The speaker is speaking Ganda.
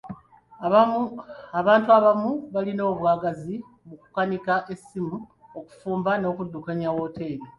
Abantu abamu baalina obwagazi mu kukanika essimu, okufumba, n'okuddukanya wooteeri.